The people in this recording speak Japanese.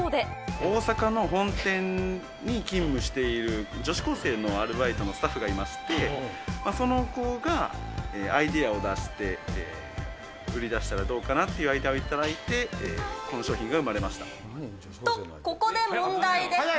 大阪の本店に勤務している女子高生のアルバイトのスタッフがいまして、その子がアイデアを出して、売り出したらどうかなっていうアイデアを頂いて、この商品が生まと、ここで問題です。